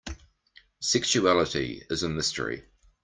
Sexuality is a mystery.